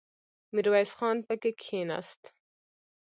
ميرويس خان پکې کېناست.